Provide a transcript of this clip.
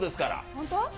本当？